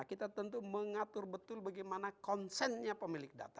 kita tentu mengatur betul bagaimana konsennya pemilik data